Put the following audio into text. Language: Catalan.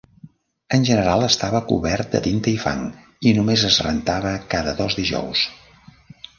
En general estava cobert de tinta i fang i només es rentava cada dos dijous.